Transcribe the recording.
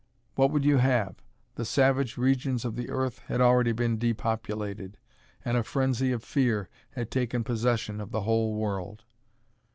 What would you have? The savage regions of the earth had already been depopulated, and a frenzy of fear had taken possession of the whole world.